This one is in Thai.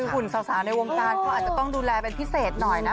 หุ่นศาลในวงการก็อาจดูแลเป็นพิเศษหน่อยนะ